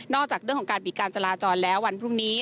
จากเรื่องของการปิดการจราจรแล้ววันพรุ่งนี้